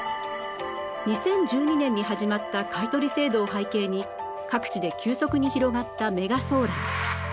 ２０１２年に始まった買い取り制度を背景に各地で急速に広がったメガソーラー。